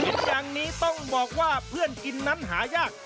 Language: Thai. อย่างนี้ต้องบอกว่าเพื่อนกินนั้นหายาก